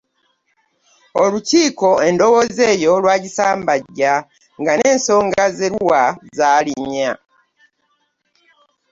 Olukiiko endowooza eyo lwagisambajja nga n’ensonga ze luwa zaali nnya: